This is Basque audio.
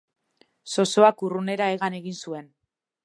Zozoak urrunera hegan egin zuen.